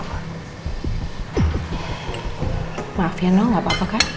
maaf ya no gak apa apa kan